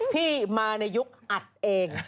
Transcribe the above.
ที่มาในยุคอัดเอง